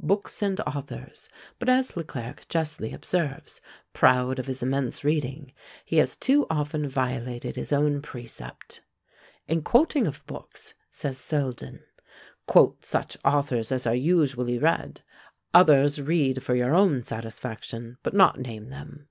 "Books and Authors;" but, as Le Clerc justly observes, proud of his immense reading, he has too often violated his own precept. "In quoting of books," says Selden, "quote such authors as are usually read; others read for your own satisfaction, but not name them."